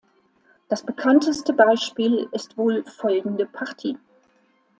Das bekannteste Beispiel ist wohl folgende Partie.